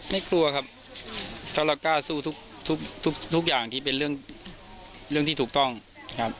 ไม่กลัวครับทรกษ์สู้ทุกอย่างที่เป็นเรื่องที่ถูกต้องครับ